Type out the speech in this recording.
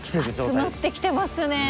集まってきてますね。